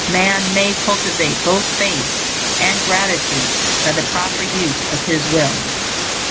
_ _Man may cultivate both faith and gratitude by the proper use of his will.